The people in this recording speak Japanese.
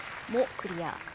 「も」クリア。